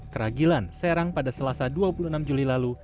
keragilan serang pada selasa dua puluh enam juli lalu